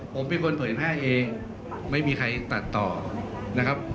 ผมเป็นคนเผยแพร่เองไม่มีใครตัดต่อนะครับ